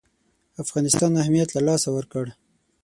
افغانستان اهمیت له لاسه ورکړ.